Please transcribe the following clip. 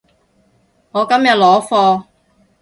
我今日攞貨